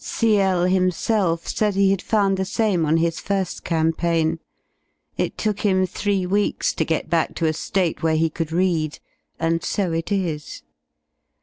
CI himselfsaid he ha^ found the same on his fir^ campaign; it took him three weeks to get back to a ^ate where he could read, and so it is.